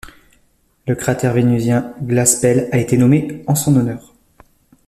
Le cratère vénusien Glaspell a été nommé en son honneur.